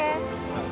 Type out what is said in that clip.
はい。